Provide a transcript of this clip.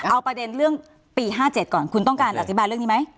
เอาประเด็นเรื่องปี๕๗ก่อนคุณต้องการอธิบายเรื่องนี้ไหม